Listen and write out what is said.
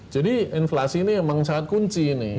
jadi inflasi ini memang sangat kunci nih